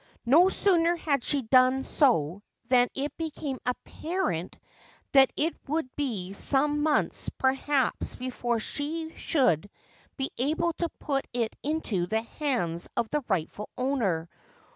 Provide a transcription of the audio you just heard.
No sooner had she done so than it became apparent that it would be some months perhaps before she should be able to put it into the hands of the rightful owner.